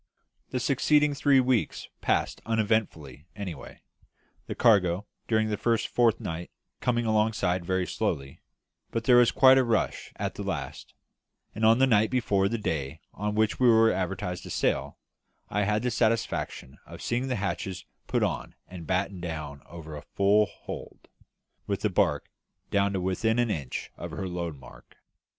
The succeeding three weeks passed uneventfully away, the cargo, during the first fortnight, coming alongside very slowly; but there was quite a rush at the last, and on the night before the day on which we were advertised to sail, I had the satisfaction of seeing the hatches put on and battened down over a full hold, with the barque down to within an inch of her load mark.